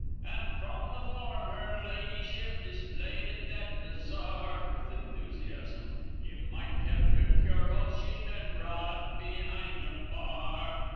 And from the form her ladyship displayed at that Bazaar, (With enthusiasm) You might have took your oath she'd been brought up behind a bar!